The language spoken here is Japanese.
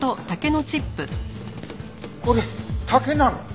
これ竹なの？